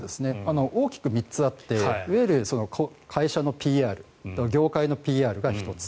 大きく３つあっていわゆる会社のＰＲ業界のＰＲが１つ。